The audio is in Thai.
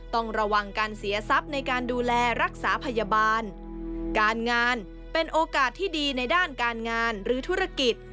ต้องระวังการเสียทรัพย์ในการดูแลรักษาพยาบาลการงานเป็นโอกาสที่ดีในด้านการงานหรือธุรกิจ